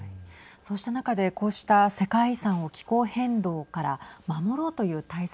そうした中でこうした世界遺産を気候変動から守ろうという対策